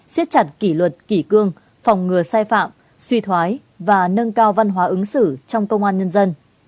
xiết chặt kỷ luật kỷ cương phòng ngừa sai phạm suy thoái và nâng cao văn hóa ứng xử trong công an nhân dân